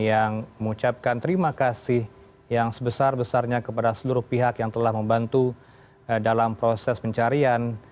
yang mengucapkan terima kasih yang sebesar besarnya kepada seluruh pihak yang telah membantu dalam proses pencarian